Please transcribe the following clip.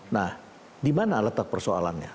nah di mana letak persoalannya